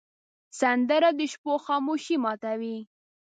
سندره د شپو خاموشي ماتوې